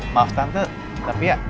maaf tante tapi ya